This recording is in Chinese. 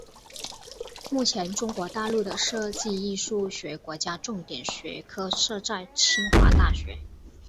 目前中国大陆的设计艺术学国家重点学科设在清华大学。